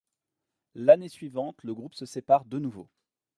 L'année suivante, le groupe se sépare de nouveau.